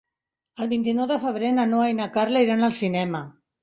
El vint-i-nou de febrer na Noa i na Carla iran al cinema.